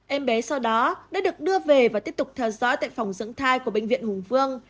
em bé sau đó đã được đưa về và tiếp tục theo dõi tại phòng dưỡng thai của bệnh viện hùng vương